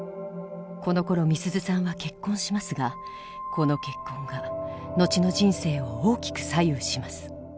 このころみすゞさんは結婚しますがこの結婚が後の人生を大きく左右します。